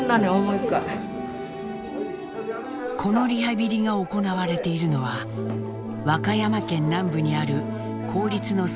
このリハビリが行われているのは和歌山県南部にある公立の総合病院。